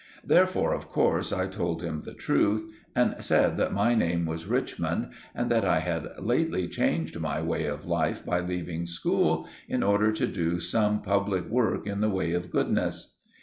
Therefore, of course, I told him the truth, and said that my name was Richmond and that I had lately changed my way of life by leaving school in order to do some public work in the way of goodness.